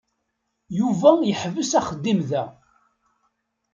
Yuba yeḥbes axeddim da.